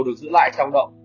được giữ lại trong đậu